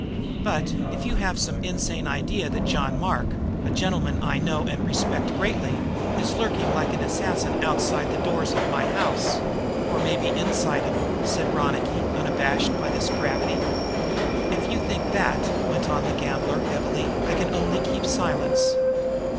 But, if you have some insane idea that John Mark, a gentleman I know and respect greatly, is lurking like an assassin outside the doors of my house " "Or maybe inside 'em," said Ronicky, unabashed by this gravity. "If you think that," went on the gambler heavily, "I can only keep silence.